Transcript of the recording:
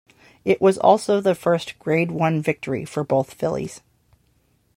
It was also the first Grade One victory for both fillies.